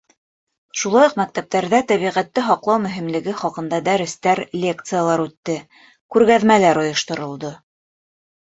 Шулай уҡ мәктәптәрҙә тәбиғәтте һаҡлау мөһимлеге хаҡында дәрестәр, лекциялар үтте, күргәҙмәләр ойошторолдо.